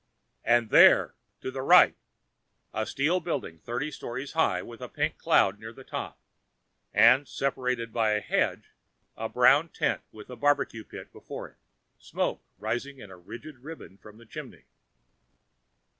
"And there, to the right!" A steel building thirty stories high with a pink cloud near the top. And, separated by a hedge, a brown tent with a barbeque pit before it, smoke rising in a rigid ribbon from the chimney.